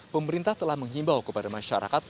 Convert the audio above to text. pemerintah telah menghimbau kepada masyarakat